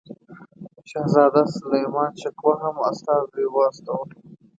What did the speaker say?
شهزاده سلیمان شکوه هم استازی واستاوه.